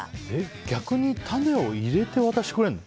逆に種を入れて渡してくれるの？